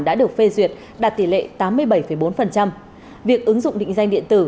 đã được phê duyệt đạt tỷ lệ tám mươi bảy bốn việc ứng dụng định danh điện tử